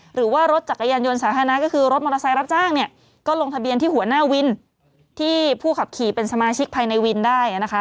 หรือว่ารถจักรยานยนต์สาธารณะก็คือรถมอเตอร์ไซค์รับจ้างเนี่ยก็ลงทะเบียนที่หัวหน้าวินที่ผู้ขับขี่เป็นสมาชิกภายในวินได้นะคะ